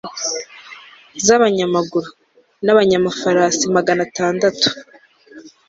z'abanyamaguru, n'abanyamafarasi magana atandatu